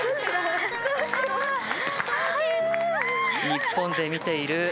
日本で見ている。